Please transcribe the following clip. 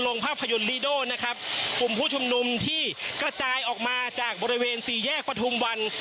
ภาพยนตร์ลีโดนะครับกลุ่มผู้ชุมนุมที่กระจายออกมาจากบริเวณสี่แยกประทุมวัน